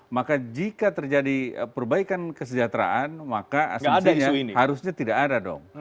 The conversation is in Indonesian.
maka jika terjadi perbaikan kesejahteraan maka asumsinya harusnya tidak ada dong